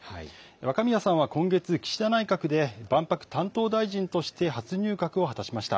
若宮さんは今月、岸田内閣で万博担当大臣として初入閣を果たしました。